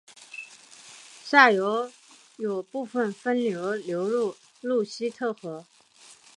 下游有部分分流流入鲁希特河。